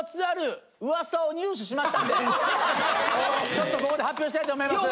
ちょっとここで発表したいと思います。